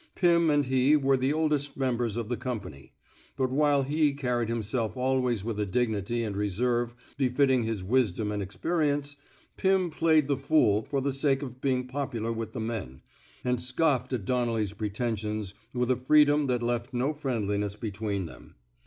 Pirn and he were the oldest members of the com pany; but while he carried himself always with a dignity and reserve befitting his wisdom and experience, Pim played the fool for the sake of being popular with the men, and scoffed at Donnelly's pretensions with a freedom that left no friendliness 69 (J THE SMOKE EATERS between them.